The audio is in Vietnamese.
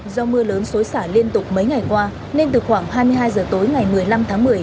do mưa lớn xối xả liên tục mấy ngày qua nên từ khoảng hai mươi hai h tối ngày một mươi năm tháng một mươi